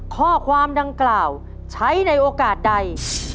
ข้อความดังกล่าวใช้ในโอกาสใด